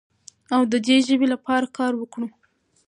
او د دې ژبې لپاره کار وکړو.